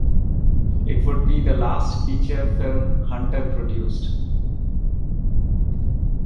It would be the last feature film Hunter produced.